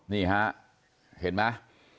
นี่ฮะเห็นมั้ย